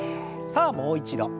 さあもう一度。